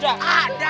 orang tua aja